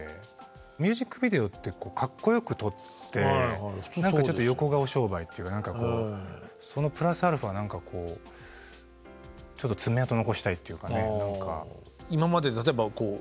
ミュージックビデオってかっこよく撮ってちょっと横顔商売っていうか何かこうそのプラスアルファ何かこうちょっと爪痕残したいっていうかね何か。